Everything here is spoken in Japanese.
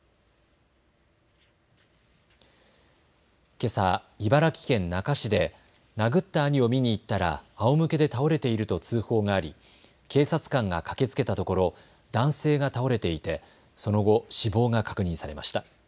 けさ茨城県那珂市で殴った兄を見に行ったらあおむけで倒れていると通報があり、警察官が駆けつけたところ男性が倒れていてその後、死亡が確認されました。